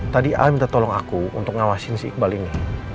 tadi a minta tolong aku untuk ngawasin si iqbal ini